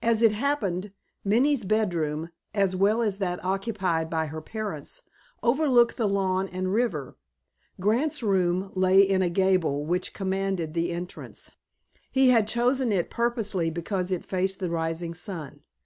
As it happened, Minnie's bedroom, as well as that occupied by her parents, overlooked the lawn and river. Grant's room lay in a gable which commanded the entrance. He had chosen it purposely because it faced the rising sun.